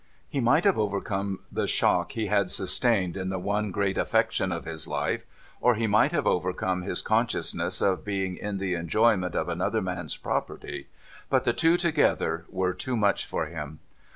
He might have overcome the shock he had sustained in the one great affection of his life, or he might have overcome his conscious ness of being in the enjoyment of another man's property ; but the two together were too much for him.